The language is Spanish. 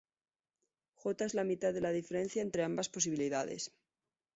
J es la mitad de la diferencia entre ambas posibilidades.